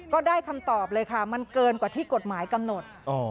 ก็ได้คำตอบเลยค่ะมันเกินกว่าที่กฎหมายกำหนด